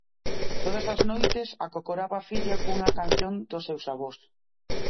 Todas as noites acocoraba a filla cunha canción dos seus avós.